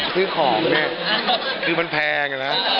ซื้อของเนี่ยคือมันแพงอะนะ